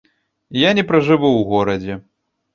Я не пражыву ў горадзе.